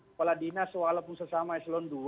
kepala dinas walaupun sesama eselon dua